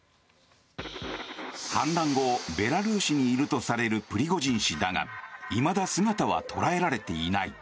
反乱後ベラルーシにいるとされるプリゴジン氏だがいまだ姿は捉えられていない。